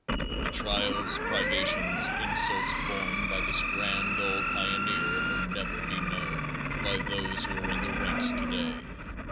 The trials, privations, insults borne by this grand old pioneer will never be known by those who are in the ranks today.